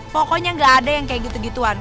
pokoknya nggak ada yang kayak gitu gituan